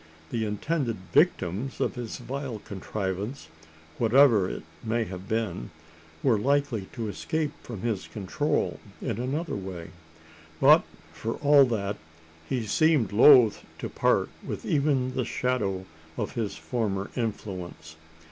The intended victims of his vile contrivance whatever it may have been were likely to escape from his control in another way; but, for all that, he seemed loth to part with even the shadow of his former influence.